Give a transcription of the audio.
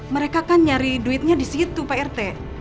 mereka kan nyari duitnya disitu pak rete